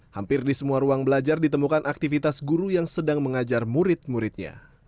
hampir di semua ruang belajar ditemukan aktivitas guru yang sedang mengajar murid muridnya